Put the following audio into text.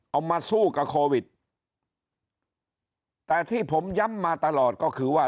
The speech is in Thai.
เอามาสู้กับโควิดแต่ที่ผมย้ำมาตลอดก็คือว่า